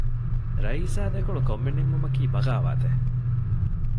ރައީސާ ދެކޮޅު ކޮންމެ ނިންމުމަކީ ބަޣާވާތެއް؟